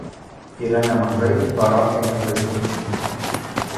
Yra nemažai barokinių bažnyčių.